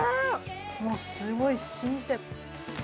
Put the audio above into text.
もうすごい新鮮。